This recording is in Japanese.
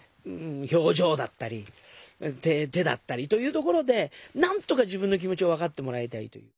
表情だったり手だったりというところでなんとか自分の気持ちを分かってもらいたいという。